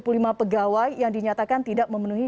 puluh lima pegawai yang dinyatakan tidak memenuhi